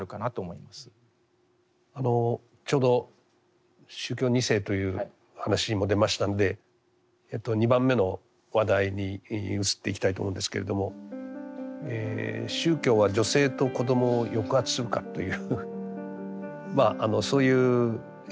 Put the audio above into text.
ちょうど宗教２世という話も出ましたんで２番目の話題に移っていきたいと思うんですけれども「宗教は女性と子どもを抑圧するか？」というそういう問いをですね